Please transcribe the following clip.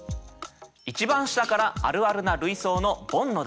一番下からあるあるな類想のボンの段。